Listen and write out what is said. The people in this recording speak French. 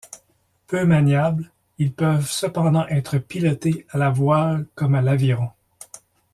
Peu maniables, ils peuvent cependant être pilotés à la voile comme à l’aviron.